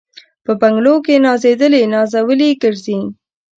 په بنګلو کي نازېدلي نازولي ګرځي